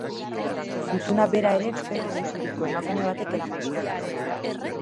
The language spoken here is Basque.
Gutuna bera ere Febe deituriko emakume batek eraman zuen Erromara.